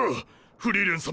フリーレン様！